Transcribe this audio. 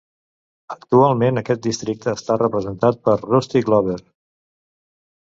Actualment aquest districte està representat per Rusty Glover.